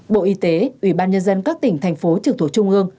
bộ y tế ủy ban nhân dân các tỉnh thành phố trường thủ trung ương